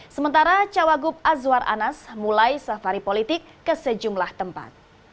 sementara cawagup azwar anas mulai safari politik ke sejumlah tempat